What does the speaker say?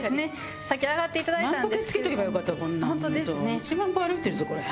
１万歩歩いてるぞこれ。